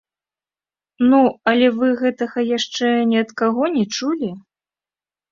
Ну, але вы гэтага яшчэ ні ад каго не чулі?